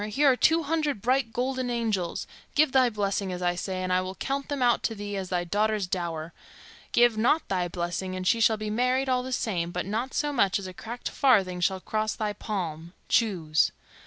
Here are two hundred bright golden angels; give thy blessing, as I say, and I will count them out to thee as thy daughter's dower. Give not thy blessing, and she shall be married all the same, but not so much as a cracked farthing shall cross thy palm. Choose."